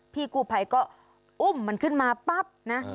พี่กู้ภัยก็อุ้มมันขึ้นมาปั๊บนะ